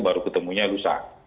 baru ketemunya lusa